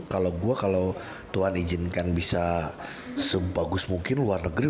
kalau gue kalau tuhan izinkan bisa sebagus mungkin luar negeri